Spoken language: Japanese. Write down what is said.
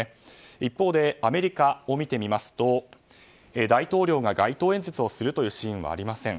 一方でアメリカを見てみますと大統領が街頭演説をするというシーンはありません。